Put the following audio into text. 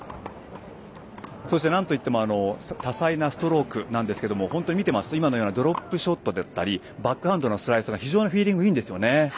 そしてなんといっても多彩なストロークですが本当に見ていますとドロップショットだったりバックハンドのスライスがフィーリングがいいんですよね。